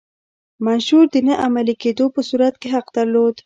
منشور د نه عملي کېدو په صورت کې حق درلود.